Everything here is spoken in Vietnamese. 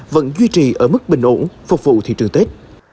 vẫn duy trì ở mức bình ổn phục vụ thị trường tết